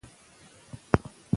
زده کړې نجونې بحثونه ښه کوي.